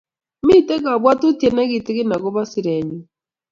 Mito kabwotutie ne kitegen akobo sirenyu